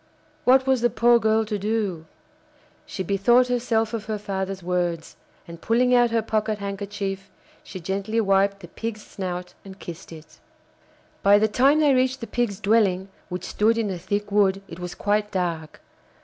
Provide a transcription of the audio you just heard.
What was the poor girl to do? She bethought herself of her father's words, and, pulling out her pocket handkerchief, she gently wiped the Pig's snout and kissed it. By the time they reached the Pig's dwelling, which stood in a thick wood, it was quite dark.